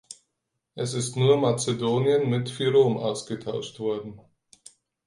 Es ist nur Mazedonien mit Fyrom ausgetauscht worden.